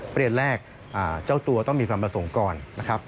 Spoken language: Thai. ประเด็นแรกเจ้าตัวต้องมีความประสงค์ก่อนนะครับ